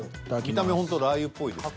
見た目ラー油っぽいですけど。